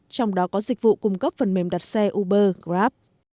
trong đó có dịch vụ cung cấp phần mềm đặt xe uber grab